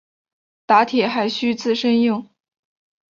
打铁还需自身硬。